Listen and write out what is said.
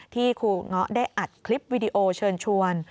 ครูเงาะได้อัดคลิปวิดีโอเชิญชวน